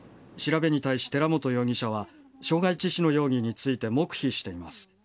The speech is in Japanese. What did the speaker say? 調べに対し寺本容疑者は傷害致死の容疑について、黙秘しています。